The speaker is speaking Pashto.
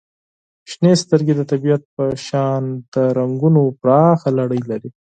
• شنې سترګې د طبیعت په شان د رنګونو پراخه لړۍ لري.